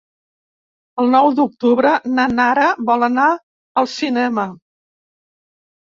El nou d'octubre na Nara vol anar al cinema.